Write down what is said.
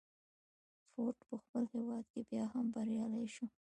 فورډ په خپل هوډ کې بيا هم بريالی شو.